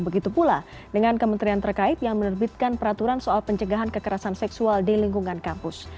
begitu pula dengan kementerian terkait yang menerbitkan peraturan soal pencegahan kekerasan seksual di lingkungan kampus